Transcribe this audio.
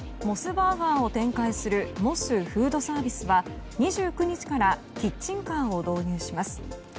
モスバーガーを展開するモスフードサービスは２９日からキッチンカーを導入します。